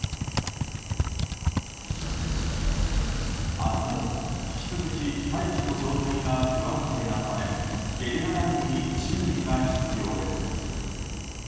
明日も引き続き大気の状態が不安定なためゲリラ雷雨に注意が必要です。